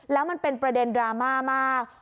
แล้วมันเป็นประเด็นดราม่ามาก